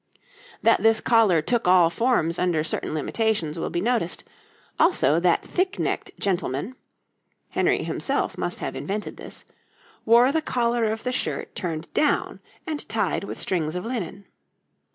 That this collar took all forms under certain limitations will be noticed, also that thick necked gentlemen Henry himself must have invented this wore the collar of the shirt turned down and tied with strings of linen.